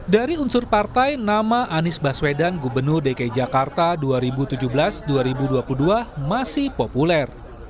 dari unsur partai nama anies baswedan gubernur dki jakarta dua ribu tujuh belas dua ribu dua puluh dua masih populer